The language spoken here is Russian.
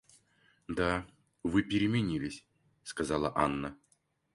Да, вы переменились, — сказала Анна.